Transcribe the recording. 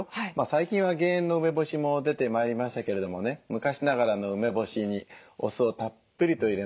最近は減塩の梅干しも出てまいりましたけれどもね昔ながらの梅干しにお酢をたっぷりと入れましてね。